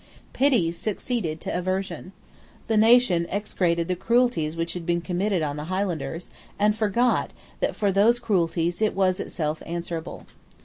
Pity succeeded to aversion. The nation execrated the cruelties which had been committed on the Highlanders, and forgot that for those cruelties it was itself answerable.